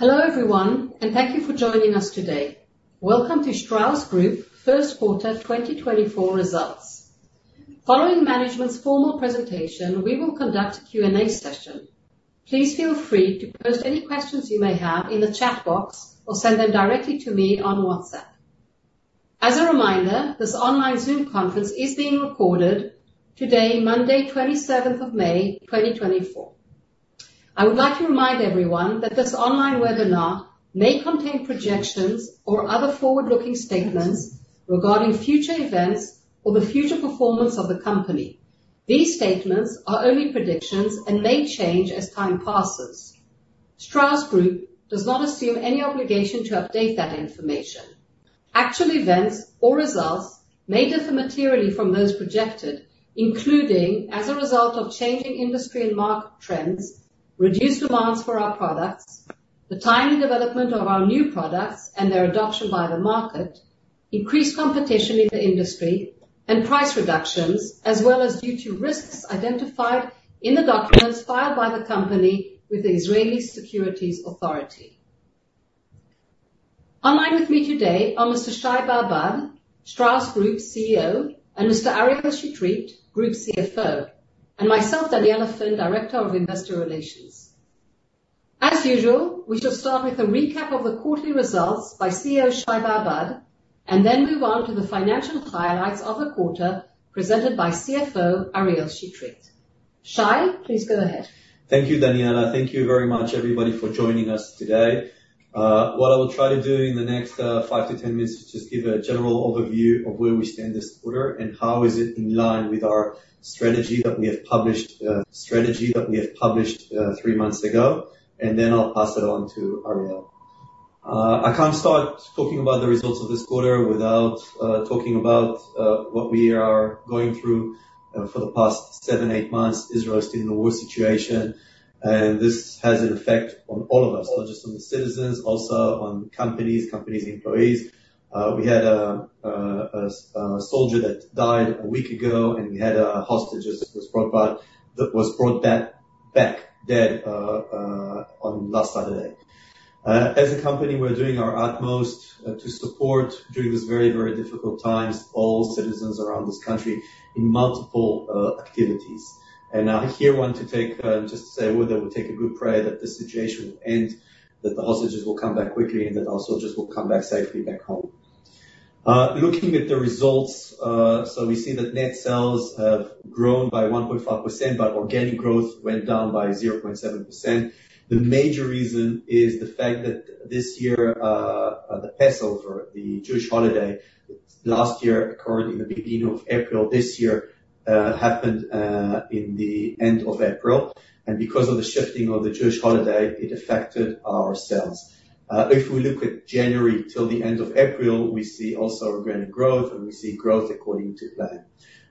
Hello, everyone, and thank you for joining us today. Welcome to Strauss Group first quarter, 2024 results. Following management's formal presentation, we will conduct a Q&A session. Please feel free to post any questions you may have in the chat box, or send them directly to me on WhatsApp. As a reminder, this online Zoom conference is being recorded today, Monday, 27th of May, 2024. I would like to remind everyone that this online webinar may contain projections or other forward-looking statements regarding future events or the future performance of the company. These statements are only predictions and may change as time passes. Strauss Group does not assume any obligation to update that information. Actual events or results may differ materially from those projected, including as a result of changing industry and market trends, reduced demands for our products, the timing development of our new products and their adoption by the market, increased competition in the industry and price reductions, as well as due to risks identified in the documents filed by the company with the Israeli Securities Authority. On the line with me today are Mr. Shai Babad, Strauss Group CEO, and Mr. Ariel Chetrit, Group CFO, and myself, Daniella Finn, Director of Investor Relations. As usual, we shall start with a recap of the quarterly results by CEO Shai Babad, and then move on to the financial highlights of the quarter, presented by CFO Ariel Chetrit. Shai, please go ahead. Thank you, Daniella. Thank you very much, everybody, for joining us today. What I will try to do in the next five to 10 minutes is just give a general overview of where we stand this quarter, and how is it in line with our strategy that we have published three months ago, and then I'll pass it on to Ariel. I can't start talking about the results of this quarter without talking about what we are going through for the past seven, eight months. Israel is in a war situation, and this has an effect on all of us, not just on the citizens, also on companies, companies' employees. We had a soldier that died a week ago, and we had a hostage that was brought back, that was brought back, back, dead, on last Saturday. As a company, we're doing our utmost to support during this very, very difficult times, all citizens around this country in multiple activities. And I here want to take just to say a word, that we take a good prayer that this situation will end, that the hostages will come back quickly, and that our soldiers will come back safely back home. Looking at the results, so we see that net sales have grown by 1.5%, but organic growth went down by 0.7%. The major reason is the fact that this year, the Passover, the Jewish holiday, last year, occurred in the beginning of April. This year, happened, in the end of April, and because of the shifting of the Jewish holiday, it affected our sales. If we look at January till the end of April, we see also organic growth, and we see growth according to plan.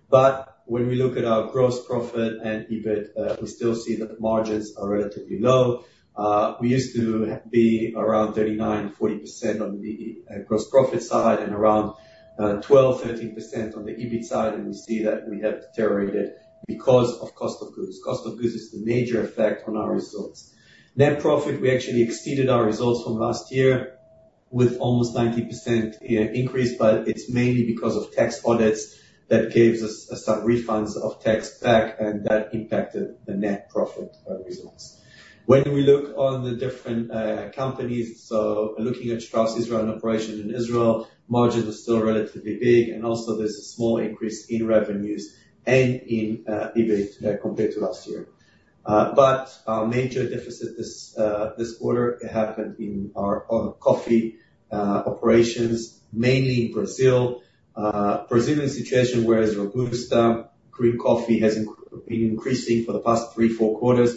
But when we look at our gross profit and EBIT, we still see that the margins are relatively low. We used to be around 39%-40% on the gross profit side, and around 12%-13% on the EBIT side, and we see that we have deteriorated because of cost of goods. Cost of goods is the major effect on our results. Net profit, we actually exceeded our results from last year with almost 90% increase, but it's mainly because of tax audits that gave us some refunds of tax back, and that impacted the net profit results. When we see we look on the different companies, so looking at Strauss Israel and operations in Israel, margins are still relatively big, and also there's a small increase in revenues and in EBIT compared to last year. But our major deficit this quarter happened in our other coffee operations, mainly in Brazil. Brazil is in a situation where Robusta green coffee has been increasing for the past 3-4 quarters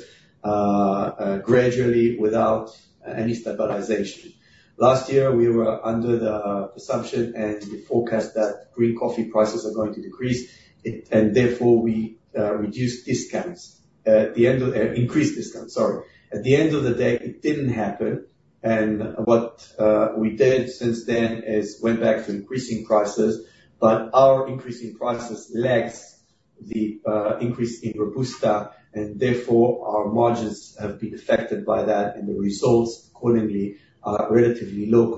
gradually without any stabilization. Last year, we were under the assumption and the forecast that green coffee prices are going to decrease, it... and therefore we reduced discounts. At the end of increased discounts, sorry. At the end of the day, it didn't happen, and what we did since then is went back to increasing prices, but our increasing prices lags the increase in Robusta, and therefore our margins have been affected by that, and the results accordingly are relatively low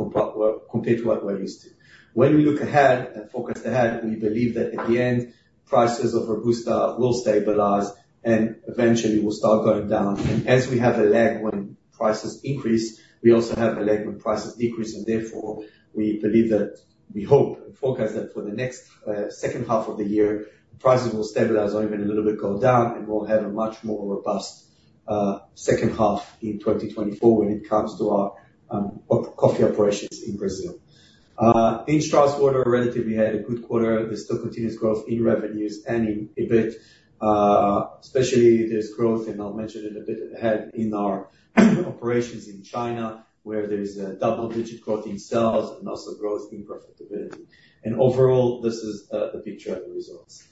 compared to what we're used to. When we look ahead and focus ahead, we believe that at the end, prices of Robusta will stabilize and eventually will start going down. As we have a lag when prices increase, we also have a lag when prices decrease, and therefore, we believe that, we hope and forecast that for the next second half of the year, prices will stabilize or even a little bit go down, and we'll have a much more robust second half in 2024 when it comes to our coffee operations in Brazil. In Strauss Water, relatively, had a good quarter. There's still continuous growth in revenues and in EBIT. Especially there's growth, and I'll mention it a bit ahead, in our operations in China, where there's a double-digit growth in sales and also growth in profitability. And overall, this is the picture and the results.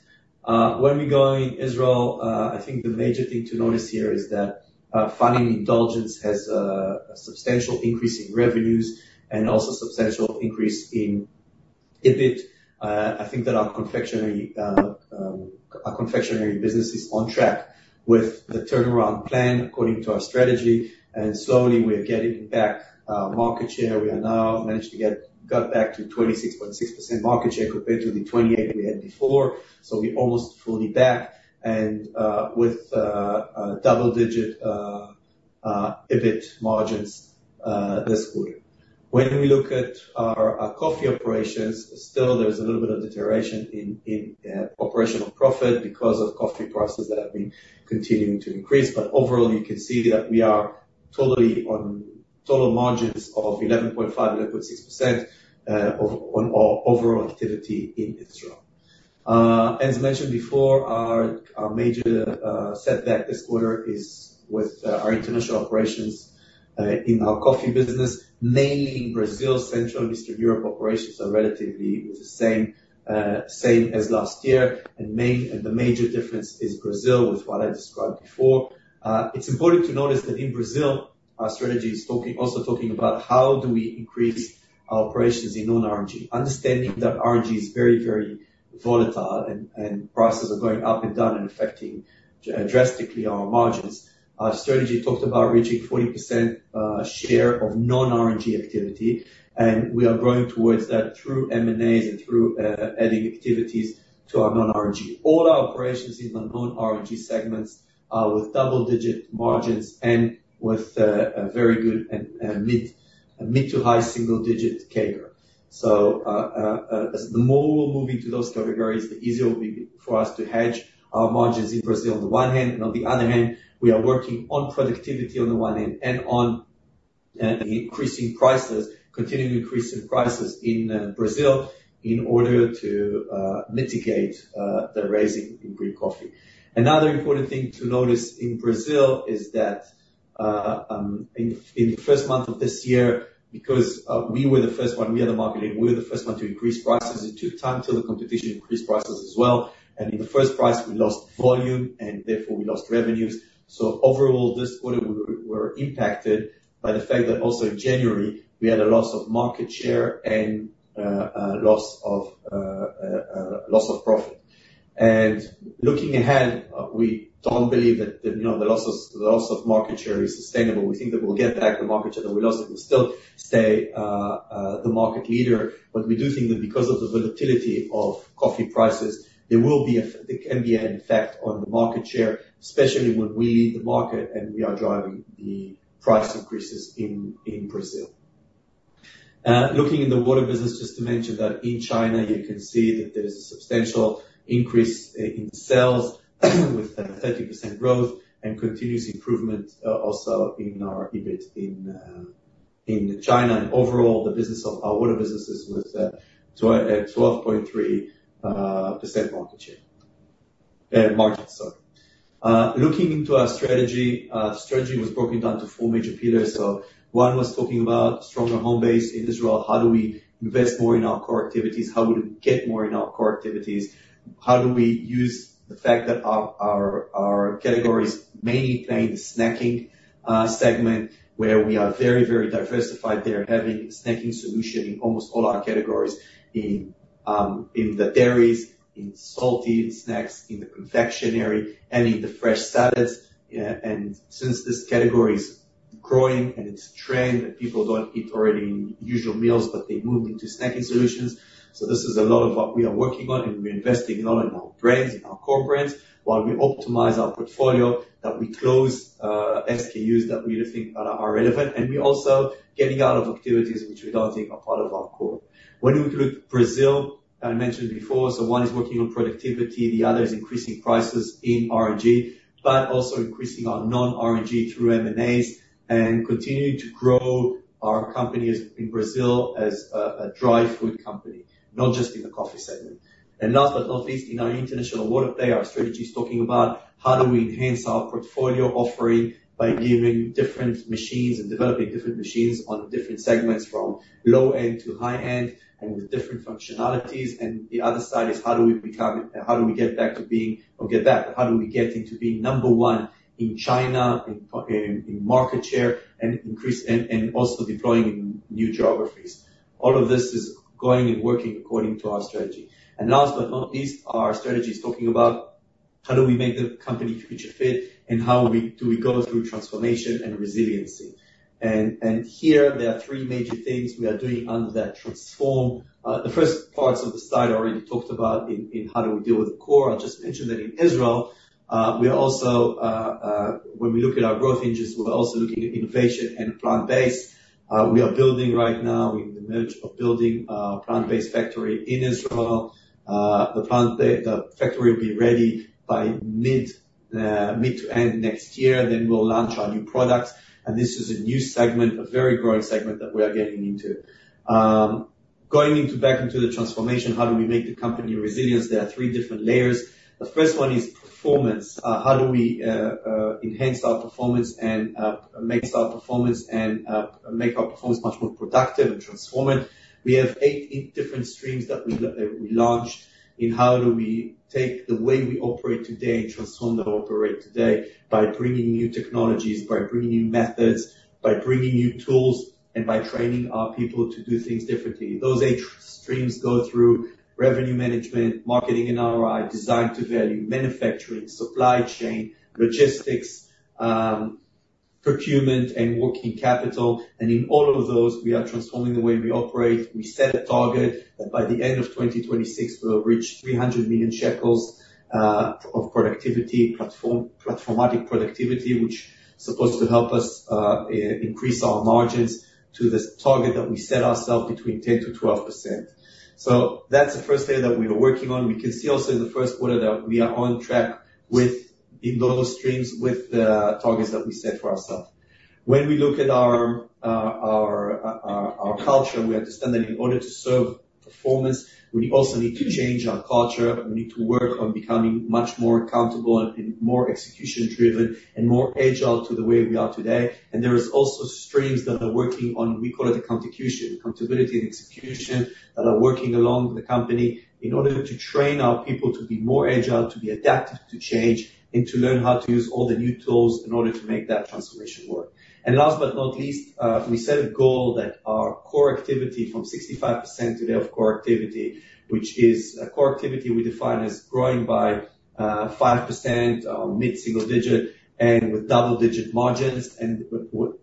Where we're going in Israel, I think the major thing to notice here is that Fun & Indulgence has a substantial increase in revenues and also substantial increase in EBIT. I think that our confectionery business is on track with the turnaround plan according to our strategy, and slowly we are getting back market share. We have now managed to got back to 26.6% market share compared to the 28 we had before. So we're almost fully back, and with a double-digit EBIT margins this quarter. When we look at our coffee operations, still there's a little bit of deterioration in operational profit because of coffee prices that have been continuing to increase. But overall, you can see that we are totally on total margins of 11.5%-11.6% of on our overall activity in Israel. As mentioned before, our major setback this quarter is with our international operations in our coffee business, mainly in Brazil. Central and Eastern Europe operations are relatively the same, same as last year, and the major difference is Brazil, with what I described before. It's important to notice that in Brazil, our strategy is talking, also talking about how do we increase our operations in non-RNG, understanding that RNG is very, very volatile and prices are going up and down and affecting drastically our margins. Our strategy talked about reaching 40% share of non-RNG activity, and we are growing towards that through M&As and through adding activities to our non-RNG. All our operations in the non-RNG segments are with double-digit margins and with a very good and mid- to high-single-digit CAGR. So, as the more we're moving to those categories, the easier it will be for us to hedge our margins in Brazil on the one hand, and on the other hand, we are working on productivity on the one hand, and on increasing prices, continuing increasing prices in Brazil in order to mitigate the rising in green coffee. Another important thing to notice in Brazil is that, in the first month of this year, because we were the first one, we had a marketing, we were the first one to increase prices. It took time till the competition increased prices as well, and in the first price, we lost volume, and therefore we lost revenues. So overall, this quarter, we were impacted by the fact that also in January, we had a loss of market share and, a loss of, loss of profit. And looking ahead, we don't believe that the, you know, the loss of, the loss of market share is sustainable. We think that we'll get back the market share that we lost, and we still stay, the market leader. But we do think that because of the volatility of coffee prices, there can be an effect on the market share, especially when we lead the market, and we are driving the price increases in Brazil. Looking in the water business, just to mention that in China, you can see that there's a substantial increase in sales, with 30% growth and continuous improvement also in our EBIT in China. And overall, the business of our water business is with 12.3% market share. Looking into our strategy, strategy was broken down to four major pillars. So one was talking about stronger home base in Israel. How do we invest more in our core activities? How would we get more in our core activities? How do we use the fact that our categories mainly play in the snacking segment, where we are very, very diversified there, having snacking solution in almost all our categories, in the dairies, in salty snacks, in the confectionery, and in the fresh salads. And since this category is growing, and it's a trend, that people don't eat already usual meals, but they move into snacking solutions. So this is a lot of what we are working on, and we're investing a lot in our brands, in our core brands, while we optimize our portfolio, that we close SKUs that we think are irrelevant. And we're also getting out of activities which we don't think are part of our core. When we look at Brazil, I mentioned before, so one is working on productivity, the other is increasing prices in RNG, but also increasing our non-RNG through M&As and continuing to grow our company as... In Brazil as a dry food company, not just in the coffee segment. And last but not least, in our international water play, our strategy is talking about how do we enhance our portfolio offering by giving different machines and developing different machines on different segments from low-end to high-end and with different functionalities. And the other side is how do we become, how do we get back to being... Or get back, how do we get into being number one in China, in market share, and increase, and also deploying in new geographies. All of this is going and working according to our strategy. And last but not least, our strategy is talking about how do we make the company future fit, and how we do we go through transformation and resiliency. And here there are three major things we are doing under that transform. The first parts of the slide I already talked about in how do we deal with the core. I'll just mention that in Israel, we are also when we look at our growth engines, we're also looking at innovation and plant-based. We are building right now, we're in the midst of building a plant-based factory in Israel. The plant, the factory will be ready by mid to end next year, and then we'll launch our new products. And this is a new segment, a very growing segment, that we are getting into. Going back into the transformation, how do we make the company resilient? There are three different layers. The first one is performance. How do we enhance our performance and make our performance much more productive and transform it? We have eight different streams that we launched. In how do we take the way we operate today and transform the operate today by bringing new technologies, by bringing new methods, by bringing new tools, and by training our people to do things differently. Those eight streams go through revenue management, marketing and ROI, design to value, manufacturing, supply chain, logistics, procurement and working capital, and in all of those, we are transforming the way we operate. We set a target, that by the end of 2026, we'll reach 300 million shekels of productivity, platformatic productivity, which is supposed to help us increase our margins to the target that we set ourself between 10%-12%. So that's the first area that we are working on. We can see also in the first quarter that we are on track with those streams, with the targets that we set for ourself. When we look at our culture, we understand that in order to drive performance, we also need to change our culture. We need to work on becoming much more accountable and more execution-driven, and more agile to the way we are today. And there is also streams that are working on, we call it account execution, accountability and execution, that are working along the company in order to train our people to be more agile, to be adaptive to change, and to learn how to use all the new tools in order to make that transformation work. And last but not least, we set a goal that our core activity from 65% today of core activity, which is a core activity we define as growing by 5% or mid-single digit, and with double-digit margins, and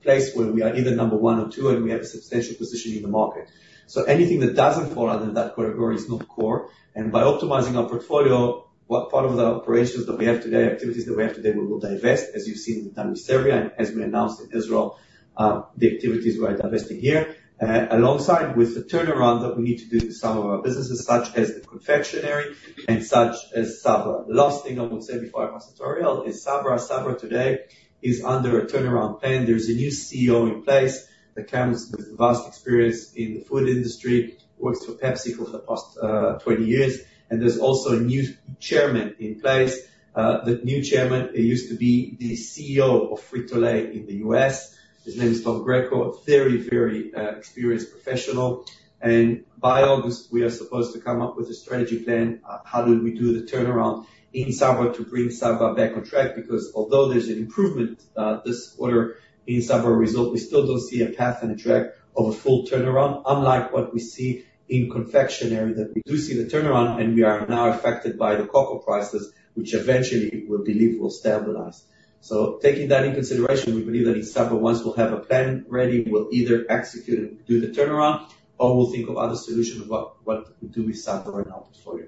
place where we are either number one or two, and we have a substantial position in the market. So anything that doesn't fall under that category is not core, and by optimizing our portfolio, what part of the operations that we have today, activities that we have today, we will divest, as you've seen we've done with Serbia, and as we announced in Israel, the activities we are divesting here. Alongside with the turnaround that we need to do to some of our businesses, such as the confectionery and such as Sabra. Last thing I will say before I pass to Ariel, is Sabra. Sabra today is under a turnaround plan. There's a new CEO in place that comes with vast experience in the food industry, works for PepsiCo for the past 20 years, and there's also a new chairman in place. The new chairman, he used to be the CEO of Frito-Lay in the U.S. His name is Tom Greco, a very, very, experienced professional. And by August, we are supposed to come up with a strategic plan, how do we do the turnaround in Sabra to bring Sabra back on track? Because although there's an improvement, this quarter in Sabra result, we still don't see a path and a track of a full turnaround, unlike what we see in confectionery, that we do see the turnaround, and we are now affected by the cocoa prices, which eventually we believe will stabilize. So taking that into consideration, we believe that in Sabra, once we'll have a plan ready, we'll either execute it, do the turnaround, or we'll think of other solutions about what to do with Sabra in our portfolio.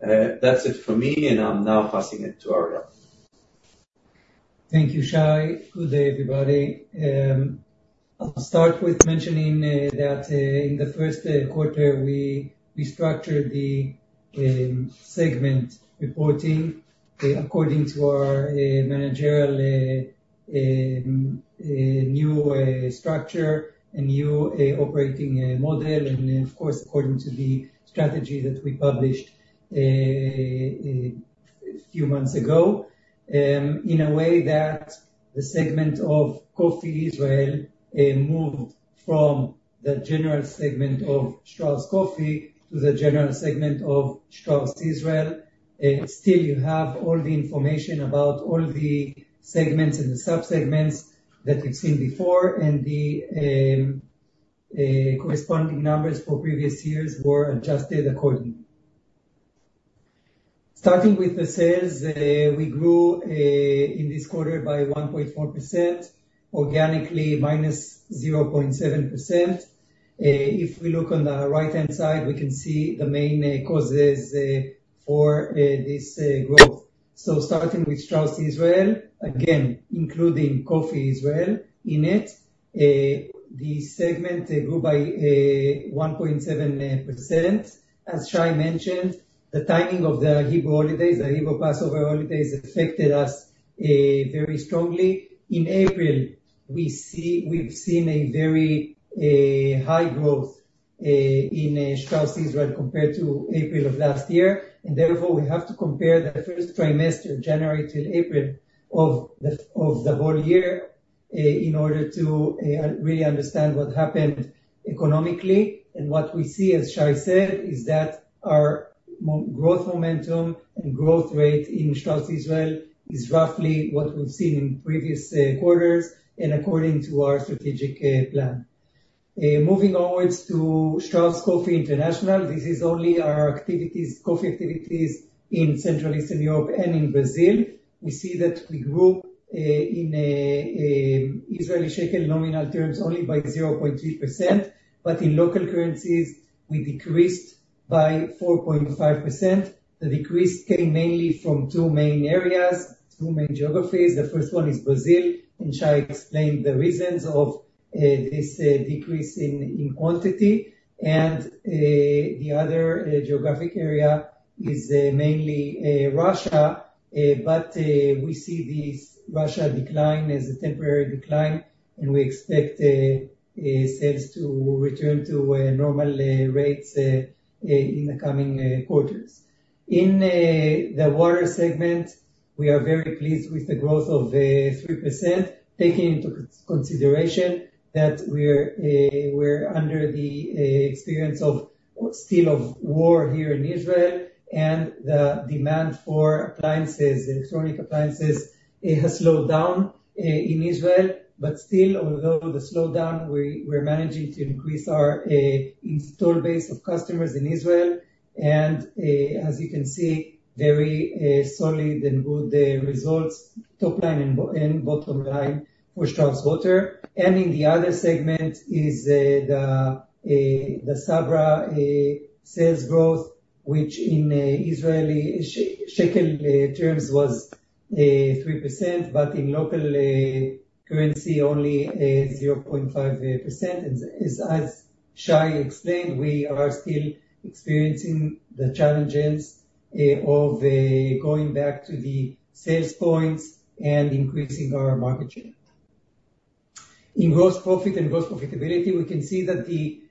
That's it for me, and I'm now passing it to Ariel. Thank you, Shai. Good day, everybody. I'll start with mentioning that in the first quarter, we structured the segment reporting according to our managerial new structure, a new operating model, and then, of course, according to the strategy that we published a few months ago. In a way that the segment of Coffee Israel moved from the general segment of Strauss Coffee to the general segment of Strauss Israel. Still you have all the information about all the segments and the sub-segments that you've seen before, and the corresponding numbers for previous years were adjusted accordingly. Starting with the sales, we grew in this quarter by 1.4%, organically -0.7%. If we look on the right-hand side, we can see the main causes for this growth. So starting with Strauss Israel, again, including Coffee Israel in it, the segment grew by 1.7%. As Shai mentioned, the timing of the Hebrew holidays, the Hebrew Passover holidays, affected us very strongly. In April, we see—we've seen a very high growth in Strauss Israel compared to April of last year, and therefore, we have to compare the first trimester, January till April, of the whole year, in order to really understand what happened economically. What we see, as Shai said, is that our growth momentum and growth rate in Strauss Israel is roughly what we've seen in previous quarters and according to our strategic plan. Moving onwards to Strauss Coffee International, this is only our activities, coffee activities in Central and Eastern Europe and in Brazil. We see that we grew in Israeli shekel nominal terms only by 0.3%, but in local currencies, we decreased by 4.5%. The decrease came mainly from two main areas, two main geographies. The first one is Brazil, and Shai explained the reasons of this decrease in quantity. The other geographic area is mainly Russia. We see this Russia decline as a temporary decline, and we expect sales to return to normal rates in the coming quarters. In the water segment, we are very pleased with the growth of 3%, taking into consideration that we're experiencing still the war here in Israel, and the demand for appliances, electronic appliances, it has slowed down in Israel. But still, although the slowdown, we're managing to increase our install base of customers in Israel, and as you can see, very solid and good results, top line and bottom line for Strauss Water. And in the other segment is the Sabra sales growth, which in Israeli shekel terms was 3%, but in local currency, only 0.5%. As Shai explained, we are still experiencing the challenges of going back to the sales points and increasing our market share. In gross profit and gross profitability, we can see that the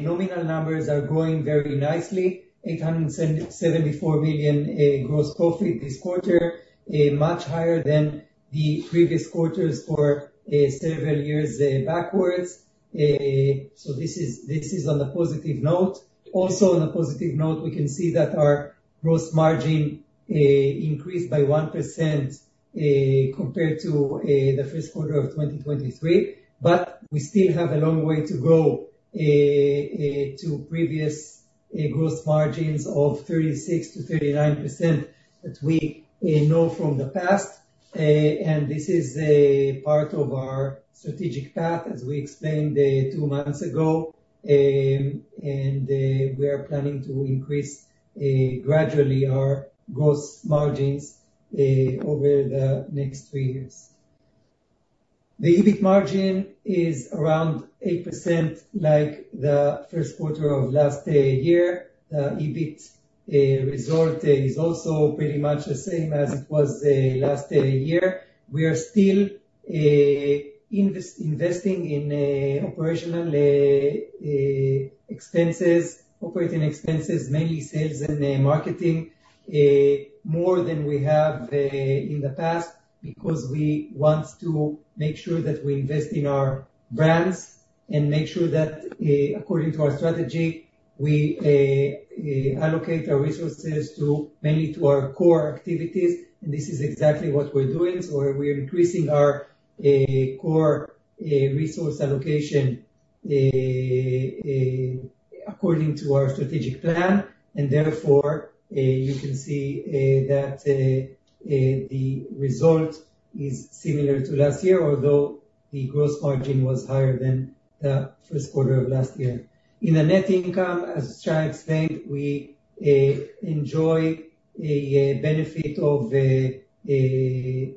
nominal numbers are growing very nicely, 874 million gross profit this quarter, much higher than the previous quarters for several years backwards. This is on a positive note. Also, on a positive note, we can see that our gross margin increased by 1% compared to the first quarter of 2023, but we still have a long way to go to previous gross margins of 36%-39% that we know from the past. This is a part of our strategic path, as we explained two months ago, and we are planning to increase gradually our gross margins over the next three years. The EBIT margin is around 8%, like the first quarter of last year. The EBIT result is also pretty much the same as it was last year. We are still investing in operating expenses, mainly sales and marketing more than we have in the past, because we want to make sure that we invest in our brands, and make sure that according to our strategy, we allocate our resources mainly to our core activities, and this is exactly what we're doing. So we're increasing our core resource allocation according to our strategic plan, and therefore, you can see that the result is similar to last year, although the gross margin was higher than the first quarter of last year. In the net income, as Shai explained, we enjoy a benefit of a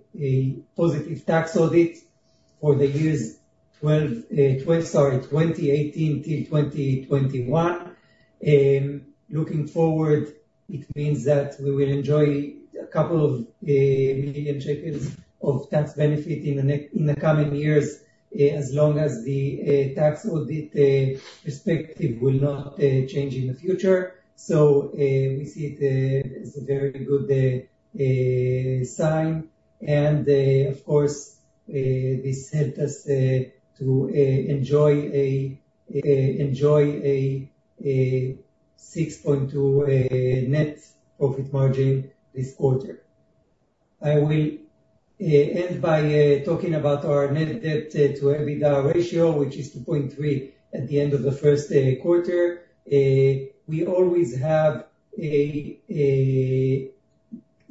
positive tax audit for the years 2018 till 2021. Looking forward, it means that we will enjoy a couple of million ILS of tax benefit in the coming years, as long as the tax audit perspective will not change in the future. So, we see it as a very good sign. Of course, this helped us to enjoy a 6.2% net profit margin this quarter. I will end by talking about our net debt-to-EBITDA ratio, which is 2.3 at the end of the first quarter. We always have a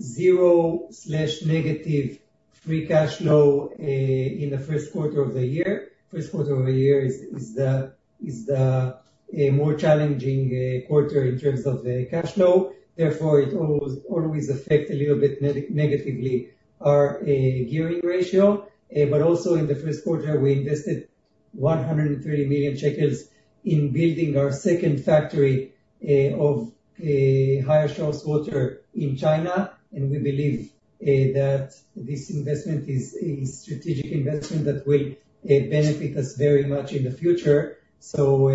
zero/negative free cash flow in the first quarter of the year. First quarter of the year is a more challenging quarter in terms of cash flow. Therefore, it always affect a little bit negatively our gearing ratio. But also in the first quarter, we invested 130 million shekels in building our second factory of Haier Strauss Water in China, and we believe that this investment is a strategic investment that will benefit us very much in the future. So,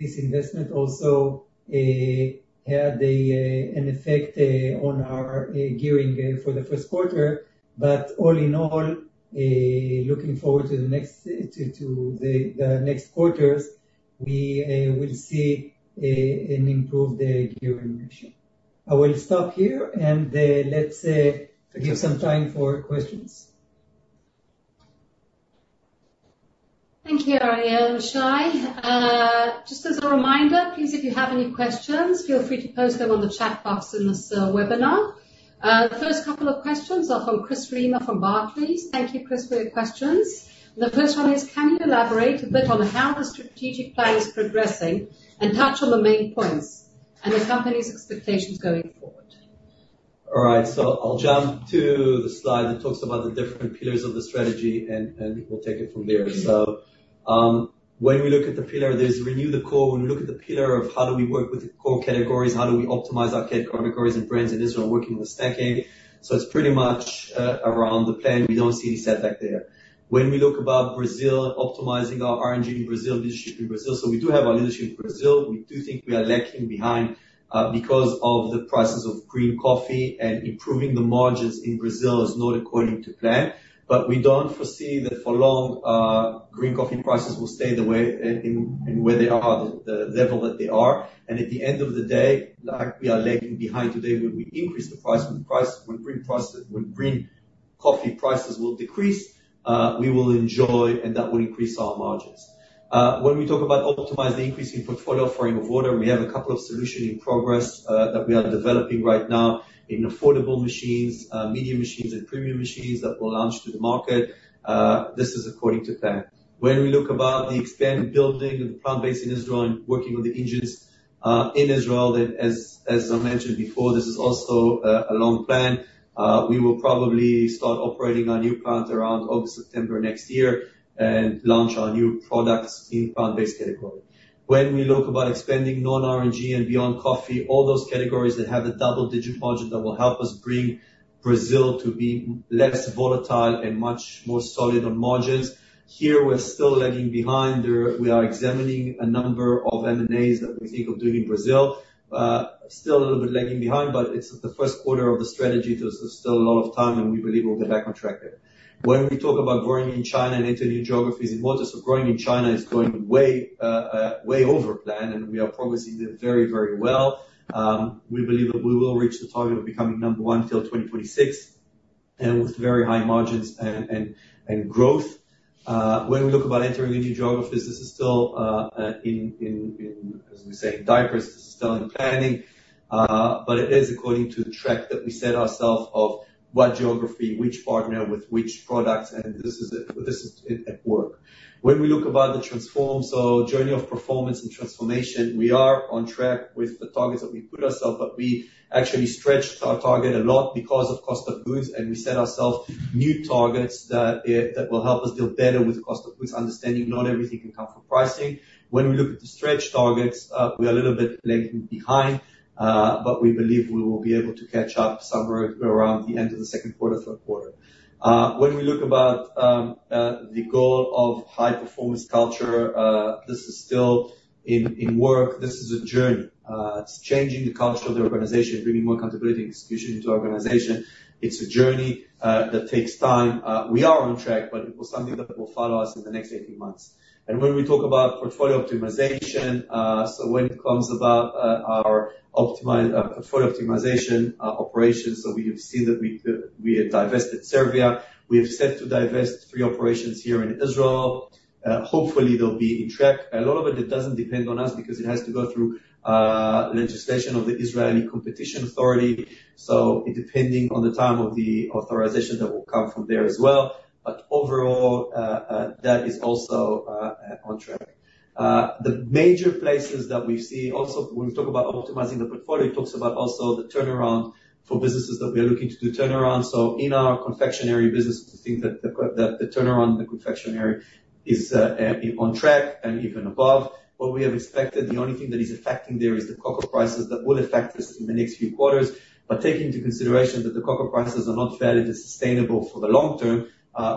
this investment also had an effect on our gearing for the first quarter. But all in all, looking forward to the next quarters, we will see an improved gearing ratio. I will stop here, and let's give some time for questions. Thank you, Ariel and Shai. Just as a reminder, please, if you have any questions, feel free to post them on the chat box in this webinar. The first couple of questions are from Chris Reimer from Barclays. Thank you, Chris, for your questions. The first one is: Can you elaborate a bit on how the strategic plan is progressing, and touch on the main points and the company's expectations going forward? All right, so I'll jump to the slide that talks about the different pillars of the strategy, and we'll take it from there. So, when we look at the pillar, there's renew the core. When we look at the pillar of how do we work with the core categories, how do we optimize our categories and brands, and this one, working with stacking. So it's pretty much around the plan. We don't see any setback there. When we look about Brazil, optimizing our R&D in Brazil, leadership in Brazil, so we do have our leadership in Brazil. We do think we are lacking behind because of the prices of green coffee, and improving the margins in Brazil is not according to plan. But we don't foresee that for long, green coffee prices will stay the way where they are, the level that they are. And at the end of the day, like we are lagging behind today, when we increase the price, when green prices... When green- Coffee prices will decrease, we will enjoy, and that will increase our margins. When we talk about optimizing the increase in portfolio offering of water, we have a couple of solution in progress that we are developing right now in affordable machines, medium machines and premium machines that will launch to the market. This is according to plan. When we look about the expanded building and the plant-based in Israel and working with the engines in Israel, that as I mentioned before, this is also a long plan. We will probably start operating our new plant around August, September next year, and launch our new products in plant-based category. When we look about expanding non-RNG and beyond coffee, all those categories that have a double digit margin that will help us bring Brazil to be less volatile and much more solid on margins. Here, we're still lagging behind. We are examining a number of M&As that we think of doing in Brazil. Still a little bit lagging behind, but it's the first quarter of the strategy. There's still a lot of time, and we believe we'll get back on track there. When we talk about growing in China and into new geographies and waters, so growing in China is going way, way over plan, and we are progressing there very, very well. We believe that we will reach the target of becoming number one till 2026, and with very high margins and, and, and growth. When we look about entering new geographies, this is still in, as we say, diapers, this is still in planning, but it is according to the track that we set ourselves of what geography, which partner with which products, and this is it - this is it at work. When we look about the transformation journey of performance and transformation, we are on track with the targets that we put ourselves, but we actually stretched our target a lot because of cost of goods, and we set ourselves new targets that will help us deal better with the cost of goods, understanding not everything can come from pricing. When we look at the stretch targets, we are a little bit lagging behind, but we believe we will be able to catch up somewhere around the end of the second quarter, third quarter. When we look at the goal of high-performance culture, this is still in the works. This is a journey. It's changing the culture of the organization, bringing more accountability and execution into our organization. It's a journey that takes time. We are on track, but it was something that will follow us in the next 18 months. And when we talk about portfolio optimization, so when it comes to our portfolio optimization operations, so we have seen that we have divested Serbia. We have set to divest three operations here in Israel. Hopefully, they'll be on track. A lot of it, it doesn't depend on us because it has to go through legislation of the Israeli Competition Authority, so it depending on the time of the authorization that will come from there as well, but overall, that is also on track. The major places that we see... Also, when we talk about optimizing the portfolio, it talks about also the turnaround for businesses that we are looking to do turnaround. So in our confectionery business, we think that the turnaround in the confectionery is on track and even above what we have expected. The only thing that is affecting there is the cocoa prices that will affect us in the next few quarters. But taking into consideration that the cocoa prices are not fairly sustainable for the long term,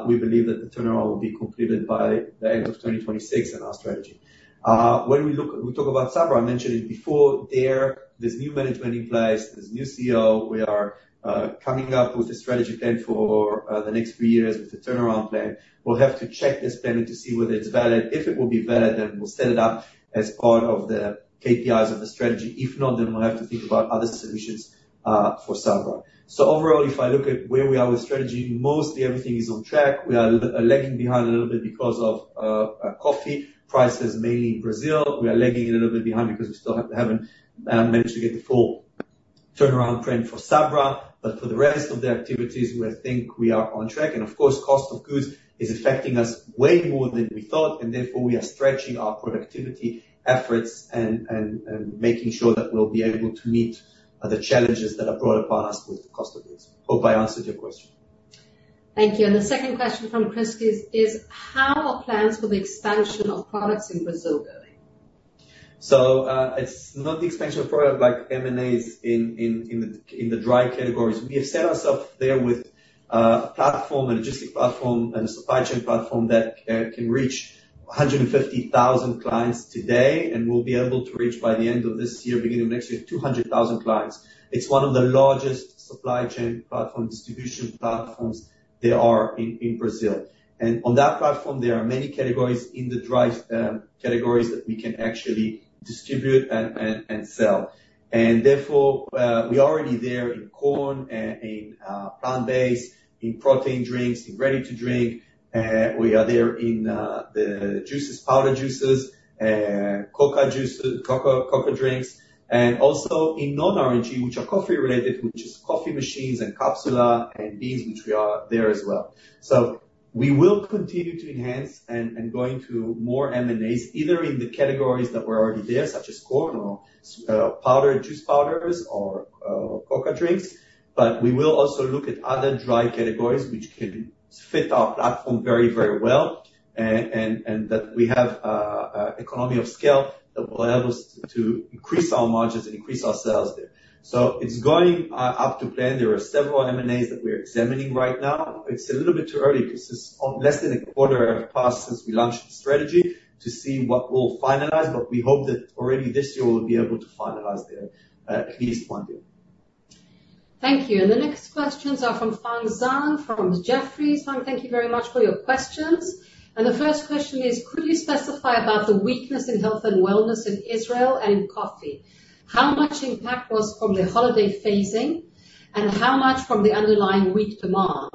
we believe that the turnaround will be completed by the end of 2026 in our strategy. When we look... We talk about Sabra, I mentioned it before, there, there's new management in place. There's a new CEO. We are coming up with a strategy plan for the next few years with the turnaround plan. We'll have to check this planning to see whether it's valid. If it will be valid, then we'll set it up as part of the KPIs of the strategy. If not, then we'll have to think about other solutions for Sabra. So overall, if I look at where we are with strategy, mostly everything is on track. We are a little bit lagging behind a little bit because of coffee prices, mainly in Brazil. We are lagging a little bit behind because we still haven't managed to get the full turnaround plan for Sabra, but for the rest of the activities, we think we are on track. And of course, cost of goods is affecting us way more than we thought, and therefore, we are stretching our productivity efforts and making sure that we'll be able to meet the challenges that are brought upon us with the cost of goods. Hope I answered your question. Thank you. The second question from Chris is: How are plans for the expansion of products in Brazil going? It's not the expansion of products like M&As in the dry categories. We have set ourselves there with a platform, a logistic platform and a supply chain platform that can reach 150,000 clients today, and we'll be able to reach, by the end of this year, beginning of next year, 200,000 clients. It's one of the largest supply chain platform, distribution platforms there are in Brazil. And on that platform, there are many categories in the dry categories that we can actually distribute and sell. And therefore, we are already there in corn and in plant-based, in protein drinks, in ready to drink, we are there in the juices, powder juices, cocoa juices, cocoa, cocoa drinks, and also in non-RNG, which are coffee-related, which is coffee machines and capsules and beans, which we are there as well. So we will continue to enhance and go into more M&As, either in the categories that were already there, such as corn or powder, juice powders or cocoa drinks, but we will also look at other dry categories which can fit our platform very, very well, and that we have economy of scale that will allow us to increase our margins and increase our sales there. So it's going up to plan. There are several M&As that we are examining right now. It's a little bit too early, because it's less than a quarter have passed since we launched the strategy to see what we'll finalize, but we hope that already this year, we'll be able to finalize at least one deal. Thank you. The next questions are from Feng Zhang, from Jefferies. Feng, thank you very much for your questions. The first question is: Could you specify about the weakness in health and wellness in Israel and in coffee? How much impact was from the holiday phasing, and how much from the underlying weak demand?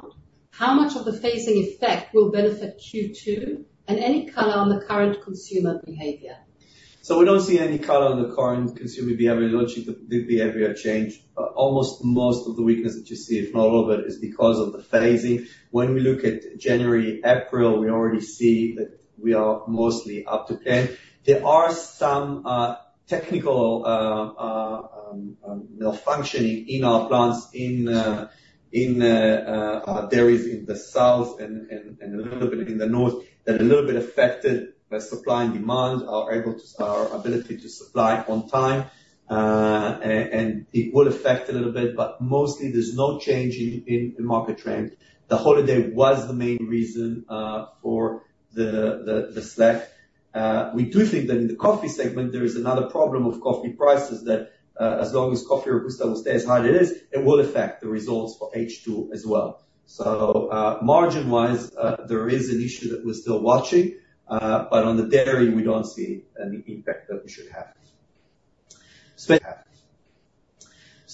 How much of the phasing effect will benefit Q2, and any color on the current consumer behavior? So we don't see any color on the current consumer behavior, logic, the behavioral change. Almost most of the weakness that you see, if not all of it, is because of the phasing. When we look at January, April, we already see that we are mostly up to date. There are some technical malfunctioning in our plants, in dairies in the south and a little bit in the north, that a little bit affected the supply and demand, our ability to supply on time. And it will affect a little bit, but mostly there's no change in market trend. The holiday was the main reason for the slack. We do think that in the coffee segment, there is another problem with coffee prices, that, as long as coffee Robusta will stay as high as it is, it will affect the results for H2 as well. So, margin-wise, there is an issue that we're still watching, but on the dairy, we don't see any impact that we should have.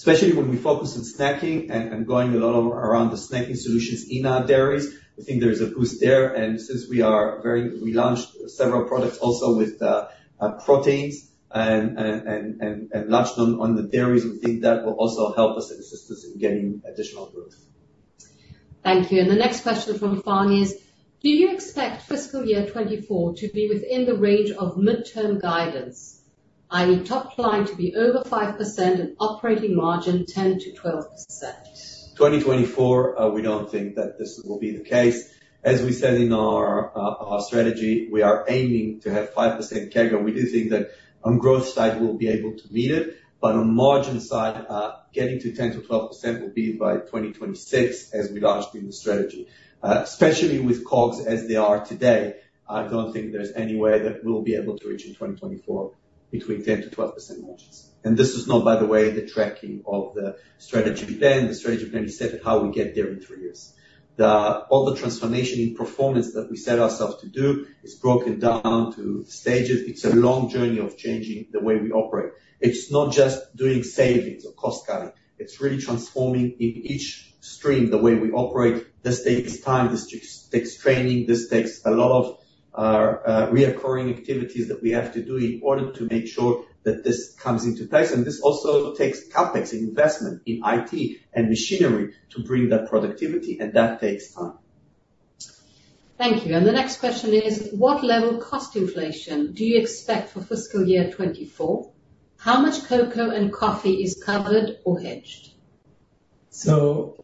Especially when we focus on snacking and going a lot around the snacking solutions in our dairies, we think there's a boost there, and since we are very... We launched several products also with proteins and launched them on the dairies, we think that will also help us and assist us in getting additional growth. Thank you. The next question from Feng is: Do you expect fiscal year 2024 to be within the range of midterm guidance, i.e., top line to be over 5% and operating margin 10%-12%? 2024, we don't think that this will be the case. As we said in our, our strategy, we are aiming to have 5% CAGR. We do think that on growth side, we'll be able to meet it, but on margin side, getting to 10%-12% will be by 2026, as we launched in the strategy. Especially with COGS as they are today, I don't think there's any way that we'll be able to reach in 2024 between 10%-12% margins. And this is not, by the way, the tracking of the strategy plan. The strategy plan is set at how we get there in three years. All the transformation in performance that we set ourselves to do is broken down to stages. It's a long journey of changing the way we operate. It's not just doing savings or cost cutting. It's really transforming in each stream the way we operate. This takes time, this just takes training, this takes a lot of recurring activities that we have to do in order to make sure that this comes into place. And this also takes CapEx investment in IT and machinery to bring that productivity, and that takes time. Thank you. The next question is: What level cost inflation do you expect for fiscal year 2024? How much cocoa and coffee is covered or hedged? So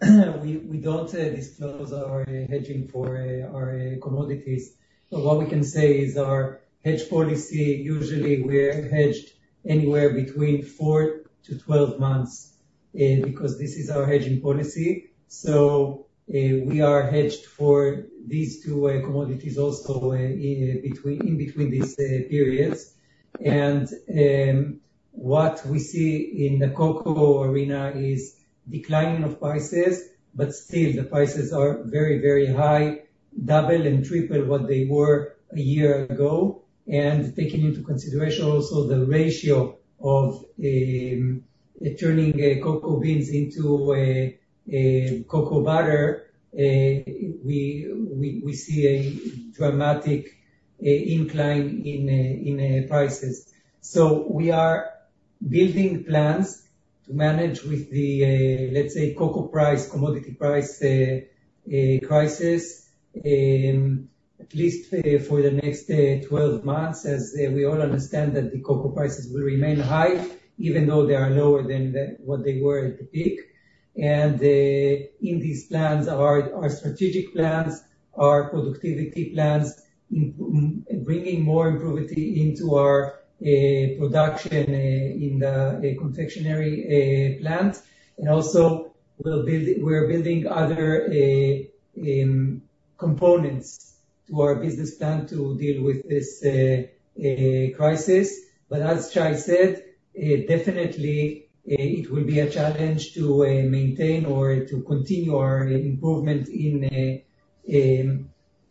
we don't disclose our hedging for our commodities. But what we can say is our hedge policy, usually we're hedged anywhere between 4-12 months, because this is our hedging policy. So, we are hedged for these two commodities also, in between these periods. And, what we see in the cocoa arena is declining of prices, but still the prices are very, very high, double and triple what they were a year ago. And taking into consideration also the ratio of turning cocoa beans into cocoa butter, we see a dramatic incline in prices. So we are building plans to manage with the, let's say, cocoa price, commodity price, crisis, at least for the next 12 months, as we all understand that the cocoa prices will remain high, even though they are lower than what they were at the peak. And in these plans, our, our strategic plans, our productivity plans, bringing more productivity into our production in the confectionery plant. And also, we're building other components to our business plan to deal with this crisis. But as Shai said, definitely, it will be a challenge to maintain or to continue our improvement in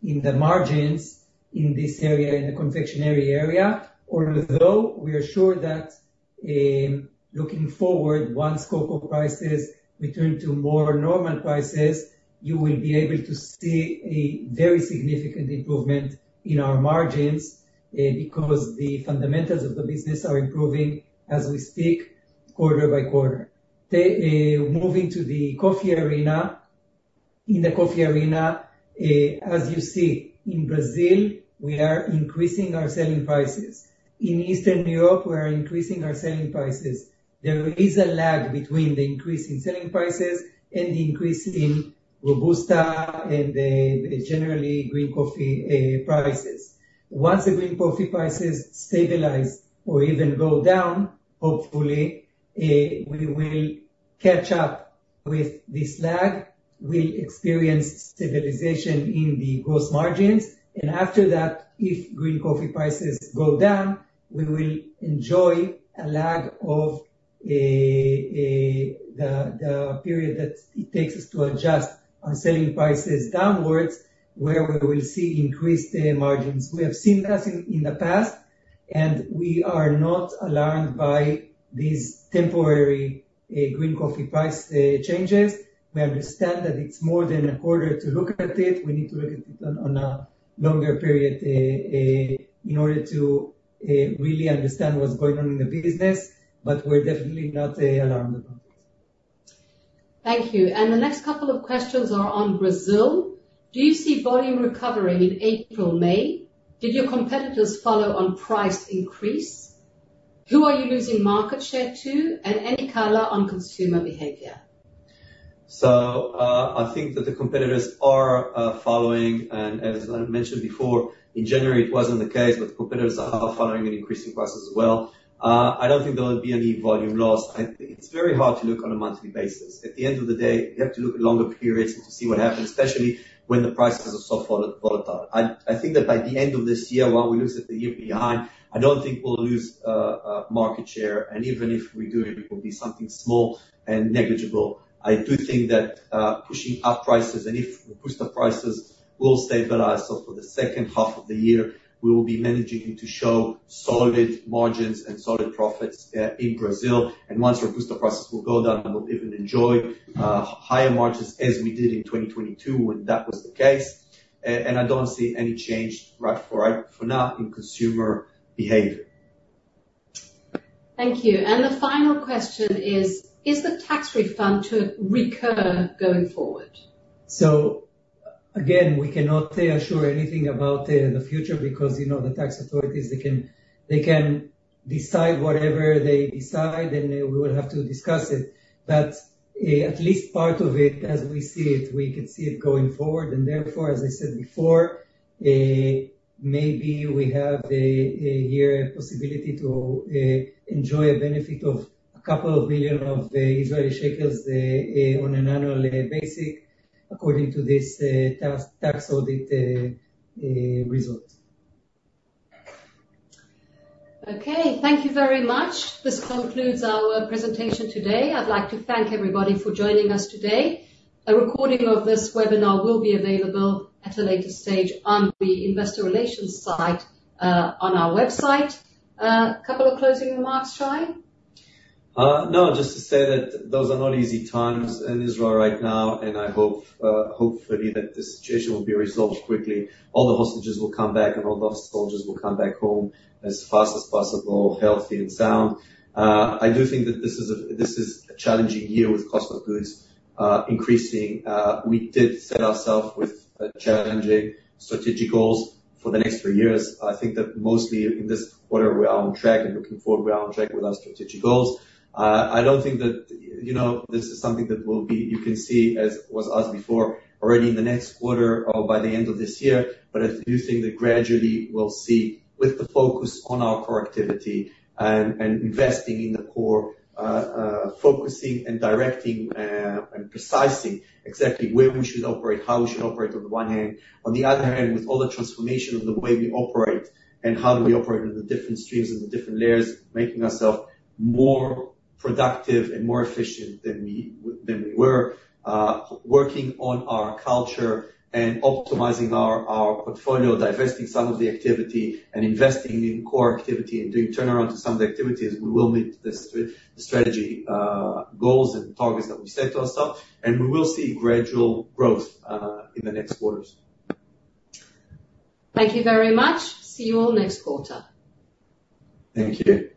the margins in this area, in the confectionery area, although we are sure that, looking forward, once cocoa prices return to more normal prices, you will be able to see a very significant improvement in our margins, because the fundamentals of the business are improving as we speak, quarter by quarter. Moving to the coffee arena. In the coffee arena, as you see, in Brazil, we are increasing our selling prices. In Eastern Europe, we are increasing our selling prices. There is a lag between the increase in selling prices and the increase in Robusta and generally green coffee prices. Once the green coffee prices stabilize or even go down, hopefully, we will catch up with this lag. We'll experience stabilization in the gross margins, and after that, if green coffee prices go down, we will enjoy a lag of the period that it takes us to adjust our selling prices downwards, where we will see increased margins. We have seen this in the past. We are not alarmed by these temporary green coffee price changes. We understand that it's more than a quarter to look at it. We need to look at it on a longer period in order to really understand what's going on in the business, but we're definitely not alarmed about it. Thank you. And the next couple of questions are on Brazil. Do you see volume recovering in April, May? Did your competitors follow on price increase? Who are you losing market share to? And any color on consumer behavior? So, I think that the competitors are following, and as I mentioned before, in January it wasn't the case, but competitors are following and increasing prices as well. I don't think there will be any volume loss. I think it's very hard to look on a monthly basis. At the end of the day, you have to look at longer periods to see what happens, especially when the prices are so volatile. I think that by the end of this year, while we look at the year behind, I don't think we'll lose market share, and even if we do, it will be something small and negligible. I do think that pushing up prices and if we boost the prices will stabilize. So for the second half of the year, we will be managing to show solid margins and solid profits in Brazil. And once we boost the prices, we'll go down and we'll even enjoy higher margins, as we did in 2022, when that was the case. And I don't see any change right now in consumer behavior. Thank you. The final question is: Is the tax refund to recur going forward? So again, we cannot assure anything about the future, because, you know, the tax authorities, they can, they can decide whatever they decide, and we will have to discuss it. But, at least part of it, as we see it, we could see it going forward, and therefore, as I said before, maybe we have a, a year possibility to enjoy a benefit of 2 million Israeli shekels on an annual basis, according to this tax, tax audit result. Okay, thank you very much. This concludes our presentation today. I'd like to thank everybody for joining us today. A recording of this webinar will be available at a later stage on the Investor Relations site, on our website. Couple of closing remarks, Shai? No, just to say that those are not easy times in Israel right now, and I hope, hopefully, that the situation will be resolved quickly. All the hostages will come back, and all the soldiers will come back home as fast as possible, healthy and sound. I do think that this is a challenging year with cost of goods increasing. We did set ourselves with challenging strategic goals for the next three years. I think that mostly in this quarter, we are on track, and looking forward, we are on track with our strategic goals. I don't think that, you know, this is something that will be - you can see as was us before, already in the next quarter or by the end of this year. But I do think that gradually we'll see, with the focus on our core activity and investing in the core, focusing and directing and precising exactly where we should operate, how we should operate, on the one hand. On the other hand, with all the transformation of the way we operate and how we operate in the different streams and the different layers, making ourselves more productive and more efficient than we were. Working on our culture and optimizing our portfolio, divesting some of the activity, and investing in core activity, and doing turnaround to some of the activities, we will meet the strategy goals and targets that we set to ourselves, and we will see gradual growth in the next quarters. Thank you very much. See you all next quarter. Thank you.